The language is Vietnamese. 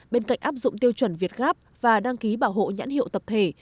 bên cạnh áp dụng tiêu chuẩn việt gáp và đăng ký bảo hộ nhãn hiệu tập thể